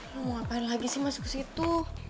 mau ngapain lagi sih masuk ke situ